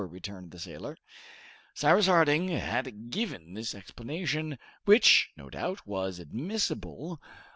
returned the sailor. Cyrus Harding had given this explanation, which, no doubt, was admissible.